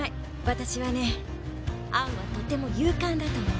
私はねアンはとても勇敢だと思う。